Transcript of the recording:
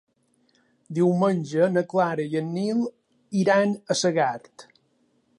Diumenge na Clara i en Nil iran a Segart.